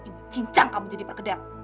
ibu cincang kamu jadi perkedel